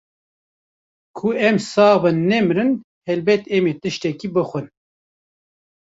Ku em sax bin nemrin helbet em ê tiştekî bixwin.